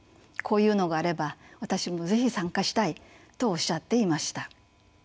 「こういうのがあれば私も是非参加したい」とおっしゃっていました。